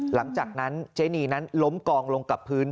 หลังจากนั้นเจนีนั้นล้มกองลงกับพื้น